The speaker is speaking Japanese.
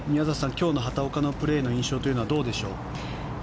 今日の畑岡のプレーの印象はどうでしょう？